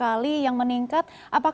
apakah menurut anda pak